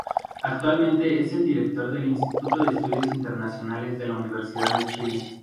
Actualmente es el Director del Instituto de Estudios Internacionales de la Universidad de Chile.